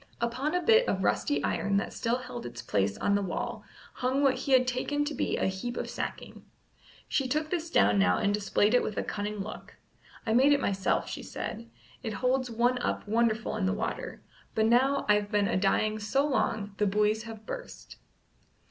Upon a bit of rusty iron that still held its place on the wall hung what he had taken to be a heap of sacking. She took this down now and displayed it with a cunning look. "I made it myself," she said, "it holds one up wonderful in the water; but now I've been a dying so long the buoys have burst."